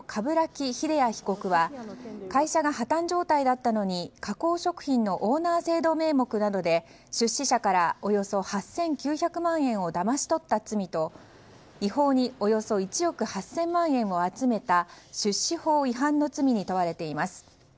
鏑木秀弥被告は会社が破綻状態だったのに加工食品のオーナー制度名目などで出資者からおよそ８９００万円をだまし取った罪と違法におよそ１億８０００万円を集めた出資法違反の罪に問われています。